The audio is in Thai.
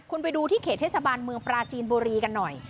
คุณไปดูที่เขตเทศบาลเมืองปราจีนบุรีกันหน่อย